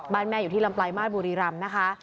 บ้านแม่อยู่ที่ลำไปลมาสบุรีรำนะคะ